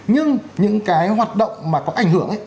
nhưng những cái hoạt động mà có ảnh hưởng